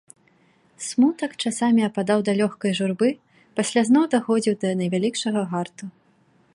Смутак часамі ападаў да лёгкай журбы, пасля зноў даходзіў да найвялікшага гарту.